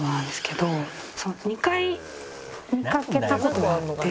２回見かけた事はあって。